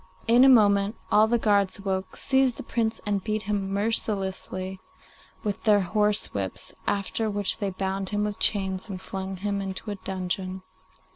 In a moment all the guards awoke, seized the Prince and beat him mercilessly with their horse whips, after which they bound him with chains, and flung him into a dungeon.